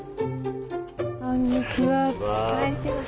こんにちは。